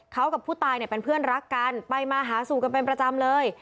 เขากับผู้ตายเนี่ยเป็นเพื่อนรักกันไปมาหาสู่กันเป็นประจำเลย